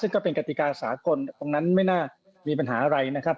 ซึ่งก็เป็นกติกาสากลตรงนั้นไม่น่ามีปัญหาอะไรนะครับ